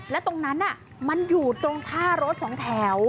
และตรงนั้นมันอยู่ตรงท่ารถสองแถว